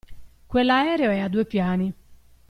Quell'aereo è a due piani.